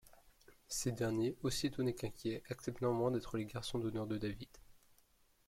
Ces derniers, aussi étonnés qu'inquiets, acceptent néanmoins d'être les garçons d'honneur de David.